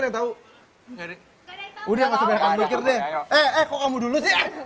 dulu deh kok kamu dulu